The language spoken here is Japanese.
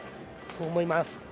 そう思います。